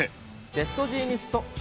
ベストジーニスト